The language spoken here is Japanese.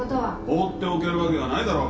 放っておけるわけがないだろ。